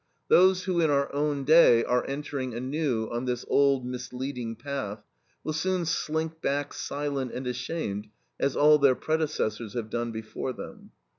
Those who in our own day are entering anew on this old, misleading path, will soon slink back silent and ashamed, as all their predecessors have done before them.